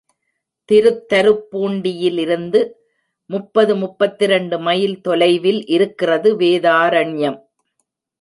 திருத்தருப்பூண்டியிலிருந்து முப்பது முப்பத்திரண்டு மைல் தொலைவில் இருக்கிறது வேதாரண்யம்.